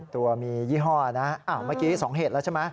ตัวมียี่ห้อนะเมื่อกี้๒เหตุแล้วใช่ไหม